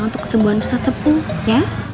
untuk kesembuhan ustadz sepuh ya